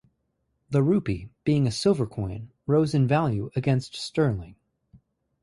The rupee, being a silver coin, rose in value against sterling.